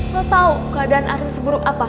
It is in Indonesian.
lo tau keadaan arin seburuk apa